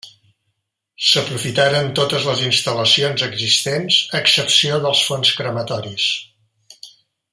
S'aprofitaren totes les instal·lacions existents a excepció dels fons crematoris.